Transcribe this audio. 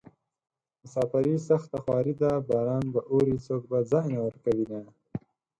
مساپري سخته خواري ده باران به اوري څوک به ځای نه ورکوينه